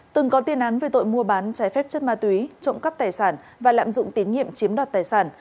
từng có tiên án về tội mua bán trái phép chất ma túy trộm cắp tài sản và lạm dụng tín nhiệm chiếm đoạt tài sản